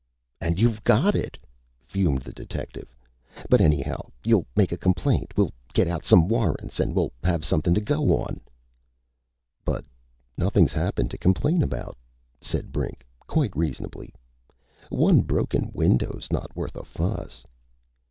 "And you've got it!" fumed the detective. "But anyhow you'll make a complaint. We'll get out some warrants, and we'll have somethin' to go on " "But nothing's happened to complain about," said Brink, quite reasonably. "One broken window's not worth a fuss."